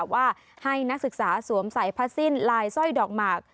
ว่าให้นักศึกษาสวมใส่ผ้าสิ้นลายสร้อยดอกหมาก